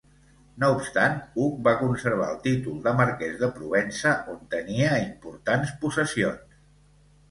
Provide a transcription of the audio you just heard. No obstant Hug va conservar el títol de marquès de Provença on tenia importants possessions.